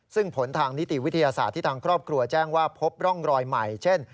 ซึ่งผลทางนิติวิทยาศาสตร์ที่ทางครอบครัวแจ้งว่าพบร่องรอยใหม่เช่น